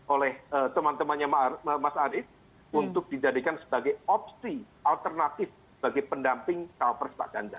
oleh teman temannya mas arief untuk dijadikan sebagai opsi alternatif bagi pendamping cawapres pak ganjar